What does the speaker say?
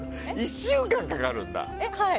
１週間かかるんだ？